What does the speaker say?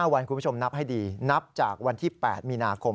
วันคุณผู้ชมนับให้ดีนับจากวันที่๘มีนาคม